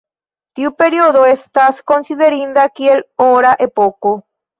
Tiu periodo estas konsiderinda kiel Ora epoko.